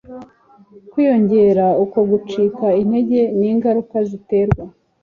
kwiyongera. Uko gucika intege ni ingaruka ziterwa